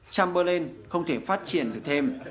chamberlain không thể phát triển được thêm